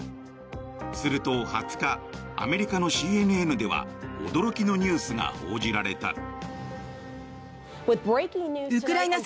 すると２０日アメリカのＣＮＮでは驚きのニュースが報じられた。